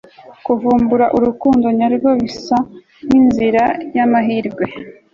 Kuvumbura urukundo nyarwo bisa nkinzira yamahirwe